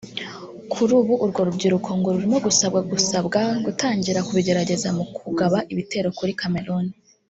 Kuri ubu urwo rubyiruko ngo rurimo gusabwa gusabwa gutangira kubigerageza mu kugaba ib itero kuri Cameroun